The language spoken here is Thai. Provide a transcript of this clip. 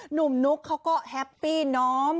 หนุ่มนุ๊กเขาก็แฮปปี้น้อม